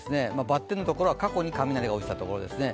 バッテンのところは過去に雷が落ちたところですね。